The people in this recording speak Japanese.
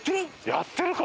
やってるか？